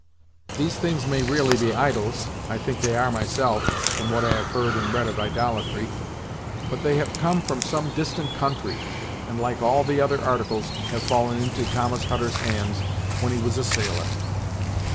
These things may really be idols I think they are myself, from what I have heard and read of idolatry, but they have come from some distant country, and like all the other articles, have fallen into Thomas Hutter's hands when he was a sailor."